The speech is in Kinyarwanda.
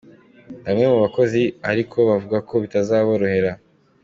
Bamwe mubakozi ariko bavuga ko bitazaborohera.